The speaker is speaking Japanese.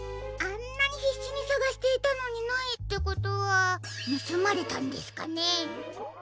あんなにひっしにさがしていたのにないってことはぬすまれたんですかね？